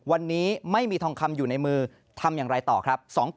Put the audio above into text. วันนี้ไม่มีทองคำอยู่ในมือทำอย่างไรต่อครับ